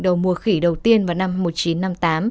đầu mùa khỉ đầu tiên vào năm một nghìn chín trăm năm mươi tám